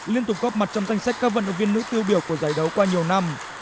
liên tục góp mặt trong danh sách các vận động viên nữ tiêu biểu của giải đấu qua nhiều năm